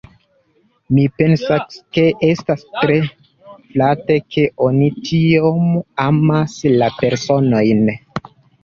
Mi pensas ke estas tre flate, ke oni tiom amas la personojn.